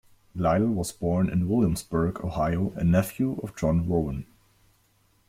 Lytle was born in Williamsburg, Ohio, a nephew of John Rowan.